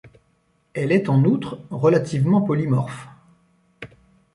Elle est en outre relativement polymorphe.